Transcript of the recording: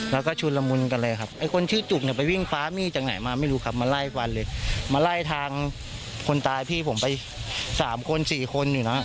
แล้วก็ชุนละมุนกันเลยครับไอ้คนชื่อจุกเนี่ยไปวิ่งคว้ามีดจากไหนมาไม่รู้ครับมาไล่ฟันเลยมาไล่ทางคนตายพี่ผมไปสามคนสี่คนอีกนะ